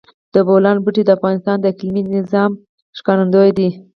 د بولان پټي د افغانستان د اقلیمي نظام ښکارندوی ده.